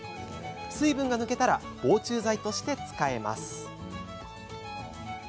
水分が抜けたら防虫剤として使えます。